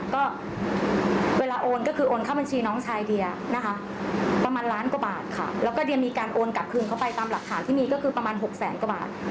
ก็เวลาโอนก็คือโอนเข้าบัญชีน้องชายเดียนะคะประมาณล้านกว่าบาทค่ะแล้วก็เดียมีการโอนกลับคืนเข้าไปตามหลักฐานที่มีก็คือประมาณ๖แสนกว่าบาท